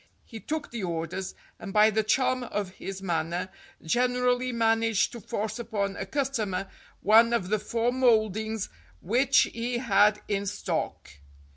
He took the orders, and by the charm of his manner generally managed to force upon a customer one of the four mouldings which he had in stock.